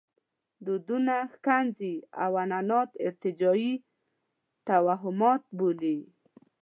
دودونه ښکنځي او عنعنات ارتجاعي توهمات بولي.